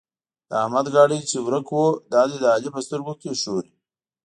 د احمد ګاډی چې ورک وو؛ دا دی د علي په سترګو کې ښوري.